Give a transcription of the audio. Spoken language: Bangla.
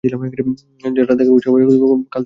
যাত্রা দেখার উৎসাহে কাল খেয়াল থাকে নাই।